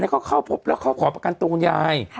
เขาเข้าพบแล้วเขาขอประกันตัวคุณยาย